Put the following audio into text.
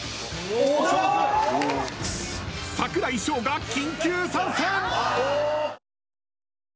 櫻井翔が緊急参戦！